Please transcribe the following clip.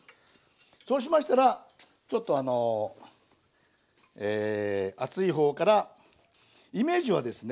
そうしましたらちょっとあのえ厚い方からイメージはですね